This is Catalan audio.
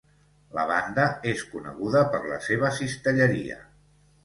La banda és coneguda per la seva cistelleria.